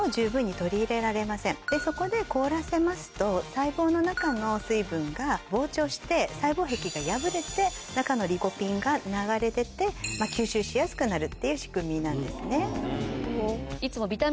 そこで凍らせますと細胞の中の水分が膨張して細胞壁が破れて中のリコピンが流れ出て吸収しやすくなるっていう仕組みなんですね。